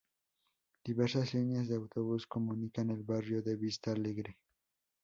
Diversas líneas de Autobús comunican el barrio de Vista Alegre.